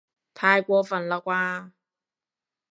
太過分喇啩